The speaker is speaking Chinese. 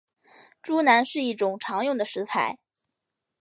猪腩是一种常用的食材。